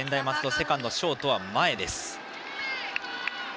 セカンド、ショートは前です。